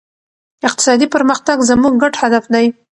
اقتصادي پرمختګ زموږ ګډ هدف دی.